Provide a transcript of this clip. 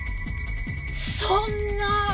そんな！